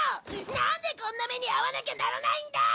なんでこんな目に遭わなきゃならないんだ！